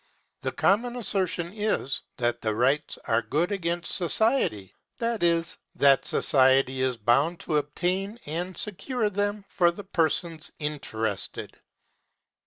The common assertion is, that the rights are good against society; that is, that society is bound to obtain and secure them for the persons interested.